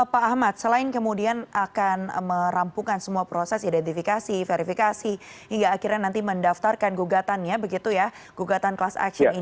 pak ahmad selain kemudian akan merampungkan semua proses identifikasi verifikasi hingga akhirnya nanti mendaftarkan gugatannya begitu ya gugatan class action ini